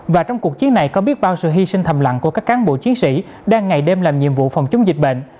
và trong cuộc chiến này có biết bao sự hy sinh thầm lặng của các cán bộ chiến sĩ đang ngày đêm làm nhiệm vụ phòng chống dịch bệnh